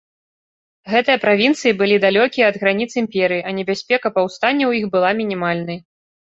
Гэтыя правінцыі былі далёкія ад граніц імперыі, а небяспека паўстання ў іх была мінімальнай.